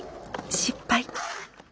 失敗。